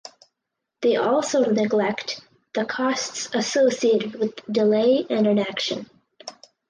They also neglect the costs associated with delay and inaction.